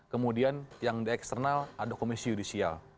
kemudian yang di eksternal ada komisi yudisial